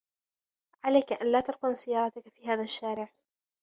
عليك أن لا تركن سيارتك في هذا الشارع.